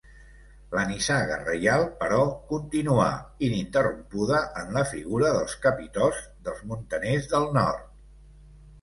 La nissaga reial, però, continuà ininterrompuda en la figura dels capitosts dels muntaners del nord.